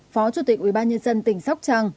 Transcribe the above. phó chủ tịch ủy ban nhân dân tỉnh sóc trăng